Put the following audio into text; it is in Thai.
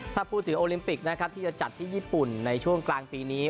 ถ้าพูดถึงโอลิมปิกนะครับที่จะจัดที่ญี่ปุ่นในช่วงกลางปีนี้